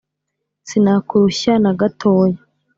sinakurushya na gatoya,